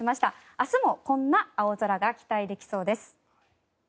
明日もこんな青空が期待できそうです。